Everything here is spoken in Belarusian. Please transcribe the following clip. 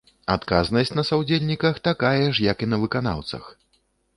Адказнасць на саўдзельніках такая ж як і на выканаўцах.